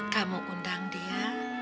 kamu undang dia